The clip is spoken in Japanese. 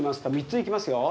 ３ついきますよ。